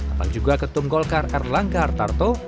ada juga ketum golkar erlangga artarto